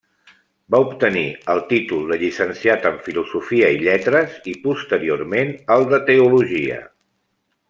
Va obtenir el títol de llicenciat en Filosofia i Lletres i posteriorment el de Teologia.